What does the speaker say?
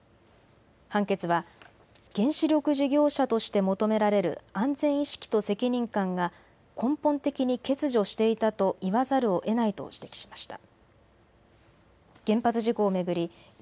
判決は原子力事業者として求められる安全意識と責任感が根本的に欠如していたと言わざるをえないと指摘しました。